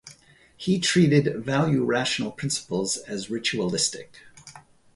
He treated value-rational principles as ritualistic.